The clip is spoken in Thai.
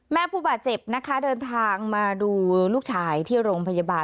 ผู้บาดเจ็บนะคะเดินทางมาดูลูกชายที่โรงพยาบาล